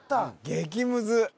激ムズ